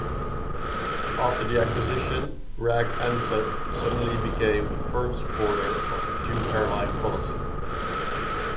After the acquisition, Reg Ansett suddenly became a firm supporter of the two-airline policy.